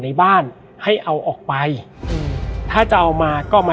และวันนี้แขกรับเชิญที่จะมาเชิญที่เรา